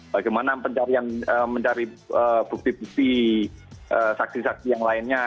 bagaimana mencari bukti bukti saksi saksi yang lainnya